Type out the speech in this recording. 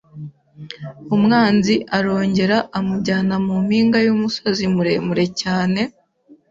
“Umwanzi arongera amujyana mu mpinga y’umusozi muremure cyane,